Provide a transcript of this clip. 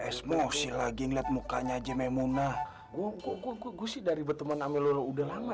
esmosi lagi ngeliat mukanya aja memunah gugup gugup gugup si dari berteman amelio udah lama